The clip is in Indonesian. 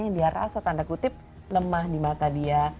yang dia rasa tanda kutip lemah di mata dia